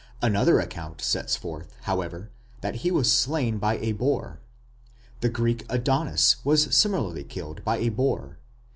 Another account sets forth, however, that he was slain by a boar. The Greek Adonis was similarly killed by a boar.